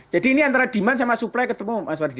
jadi ini antara demand sama supply ketemu mas wadid